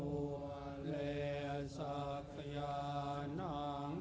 คุณของพ่อหลวงเริ่มทั้งหมดดังนั้น